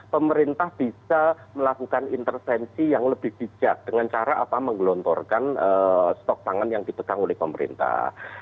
pemerintah bisa melakukan intersensi yang lebih bijak dengan cara apa menggelontorkan stok pangan yang dipegang oleh pemerintah